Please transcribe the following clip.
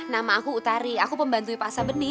nama aku utari aku pembantu pak sabeni